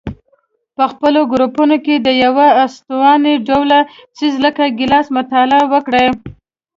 په خپلو ګروپونو کې د یوه استواني ډوله څیز لکه ګیلاس مطالعه وکړئ.